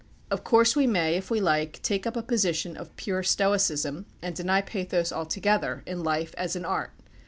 Of course we may, if we like, take up a position of pure stoicism, and deny pathos altogether, in life as in art.